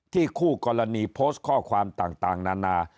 คู่กรณีโพสต์ข้อความต่างนานา